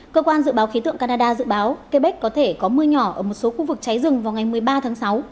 cơ quan dự báo khí tượng canada dự báo quebec có thể có mưa nhỏ ở một số khu vực cháy rừng vào ngày một mươi ba tháng sáu